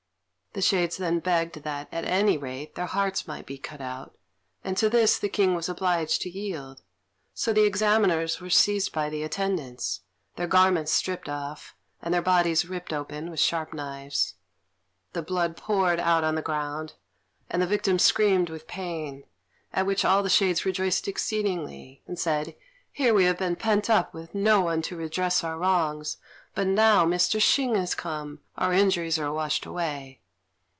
The shades then begged that, at any rate, their hearts might be cut out, and to this the King was obliged to yield; so the Examiners were seized by the attendants, their garments stripped off, and their bodies ripped open with sharp knives. The blood poured out on the ground, and the victims screamed with pain; at which all the shades rejoiced exceedingly, and said, "Here we have been pent up, with no one to redress our wrongs; but now Mr. Hsing has come, our injuries are washed away."